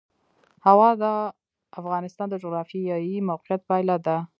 هوا د افغانستان د جغرافیایي موقیعت پایله ده.